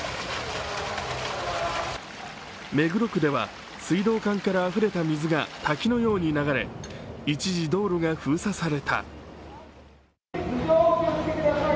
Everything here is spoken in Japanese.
目黒区では水道管からあふれた水が滝のように流れ一時道路が封鎖された。